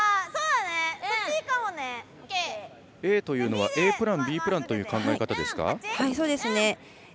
ＡというのはＡプラン、Ｂプランという考え方ですか？